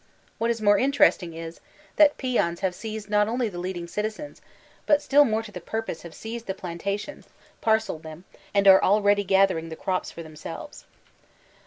What is more in teresting is, that the peons have seized not only ''the lead ing citizens/' but still more to the purpose have seized the plantations, parceled them, and are already gathering the crops for themselves.